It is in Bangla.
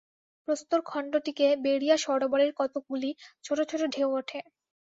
প্রস্তরখণ্ডটিকে বেড়িয়া সরোবরের কতকগুলি ছোট ছোট ঢেউ ওঠে।